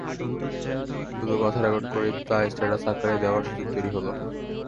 শুধু কথা রেকর্ড করেই তা স্ট্যাটাস আকারে দেওয়ার সুযোগ তৈরি হলো।